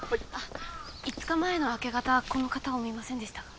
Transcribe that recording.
５日前の明けがたこの方を見ませんでしたか？